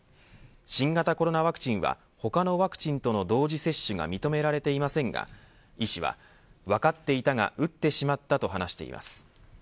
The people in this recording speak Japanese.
新型コロナワクチンは他のワクチンとの同時接種が認められていませんが医師は分かっていたが打ってしまったと話しています。